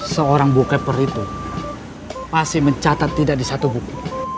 seorang bookkeeper itu pasti mencatat tidak di satu buku